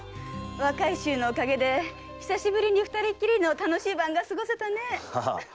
若い衆のお陰で久しぶりに二人きりの楽しい晩が過ごせたね。